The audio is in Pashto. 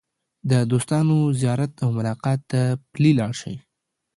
د دوستانو زیارت او ملاقات ته پلي لاړ شئ.